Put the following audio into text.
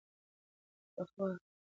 پخوا به ښځو مستې په غړګ کې شربلې